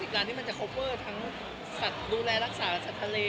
ร้านนี้มันจะคอฟเวอร์ทั้งสัตว์ดูแลรักษาสัตว์ทะเล